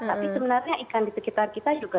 tapi sebenarnya ikan di sekitar kita juga juga banyak